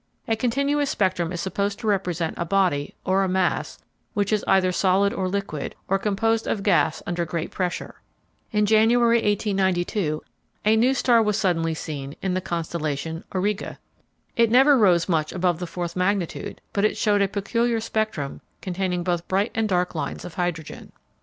A continuous spectrum is supposed to represent a body, or a mass, which is either solid or liquid, or composed of gas under great pressure. In January, 1892, a new star was suddenly seen in the constellation Auriga. It never rose much above the fourth magnitude, but it showed a peculiar spectrum containing both bright and dark lines of hydrogen.